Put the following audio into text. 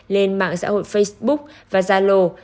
lên mạng xã hội facebook và zalo